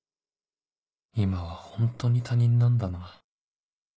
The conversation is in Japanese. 今はホントに他人なんだな